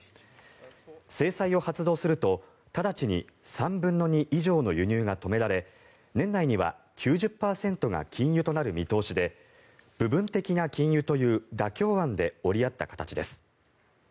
制裁を発動すると直ちに３分の２以上の輸入が止められ年内には９０％が禁輸となる見通しで部分的な禁輸という妥協案で折り合った形です。